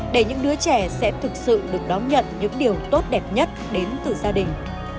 để những đứa trẻ sẽ thực sự được đón nhận những điều tốt đẹp nhất đến từ gia đình